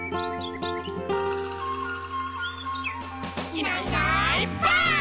「いないいないばあっ！」